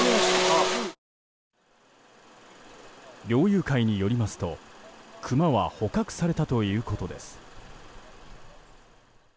猟友会によりますとクマは捕獲されたということです。